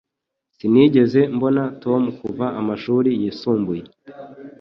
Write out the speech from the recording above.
Sinigeze mbona Tom kuva amashuri yisumbuye